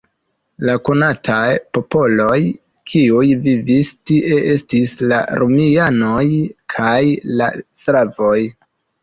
La konataj popoloj, kiuj vivis tie, estis la romianoj kaj la slavoj.